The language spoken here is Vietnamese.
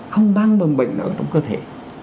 không đang bầm bệnh ở trong cơ thể